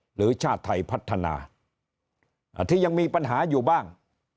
ชาติไทยพัฒนาที่ยังมีปัญหาอยู่บ้าง